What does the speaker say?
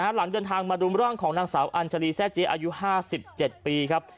หลังเดินทางมารุมร่างของนางสาวอัญชาลีแซ่เจ๊อายุ๕๗ปีครับ